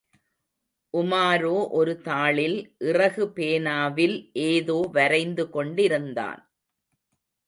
உமாரோ ஒரு தாளில் இறகு பேனாவில் ஏதோ வரைந்து கொண்டிருந்தான்.